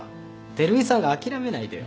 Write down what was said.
照井さんが諦めないでよ。